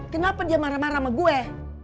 kenapa dia marah marah sama gue